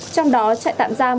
trong đó trại tạm giam